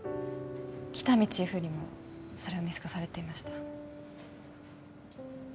喜多見チーフにもそれを見透かされていました